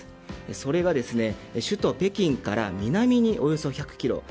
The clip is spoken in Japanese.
それが首都・北京から南におよそ１００ｋｍ。